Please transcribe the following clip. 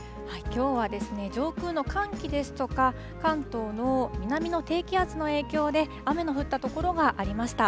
きょうは上空の寒気ですとか、関東の南の低気圧の影響で、雨の降った所がありました。